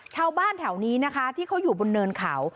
ชาวบ้านแถวนี้นะคะที่เขาอยู่บนเนินเขา